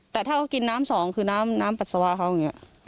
แต่ถ้าเขากินน้ำสองคือน้ำปัสสาวะเขาอย่างนี้